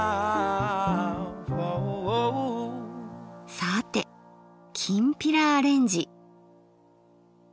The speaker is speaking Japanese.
さてきんぴらアレンジ。